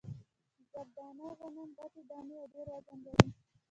زر دانه غنم غټې دانې او ډېر وزن لري.